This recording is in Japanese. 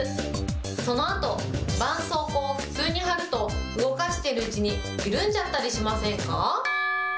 そのあと、ばんそうこうを普通に貼ると、動かしているうちに緩んじゃったりしませんか？